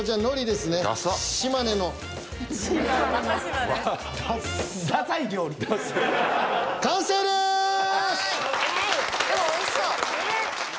でもおいしそう。